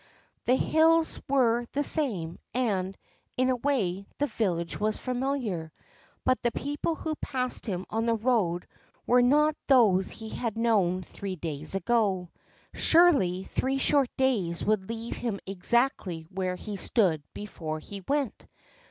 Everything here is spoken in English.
The hills were the same, and, in a way, the village was familiar, but the people who passed him on the road were not those he had known three days ago. Surely three short days would leave him exactly where he stood before he went.